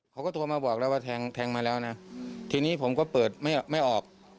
เขาก็โทรมาบอกแล้วว่าแทงแทงมาแล้วนะทีนี้ผมก็เปิดไม่ไม่ออก